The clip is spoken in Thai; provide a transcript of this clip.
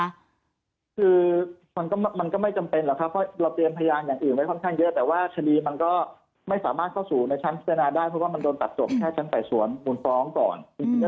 คือมันก็ไม่จำเป็นหรอกครับเพราะเราเตรียมพยานอย่างอื่นไว้ค่อนข้างเยอะแต่ว่าคดีมันก็ไม่สามารถเข้าสู่ในชั้นพิจารณาได้เพราะว่ามันโดนตัดจบแค่ชั้นไต่สวนมูลฟ้องก่อน